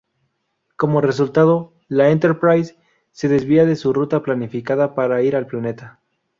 Como resultado, la "Enterprise" se desvía de su ruta planificada para ir al planeta.